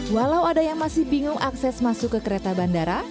walau ada yang masih bingung akses masuk ke kereta bandara